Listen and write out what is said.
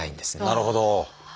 なるほど！